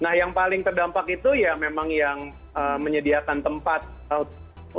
nah yang paling terdampak itu kan memang kita menyediakan tempat untuk bersosial ya kafe gitu seperti anomaly kopi